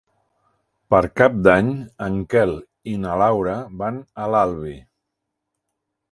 Per Cap d'Any en Quel i na Laura van a l'Albi.